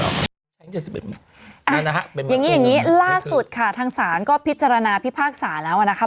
แล้วเธอเหมือนมาล่ะยังนี้ล่าสุดค่ะทางสารก็พิจารณาพิภาคศาลนะวะนะคะ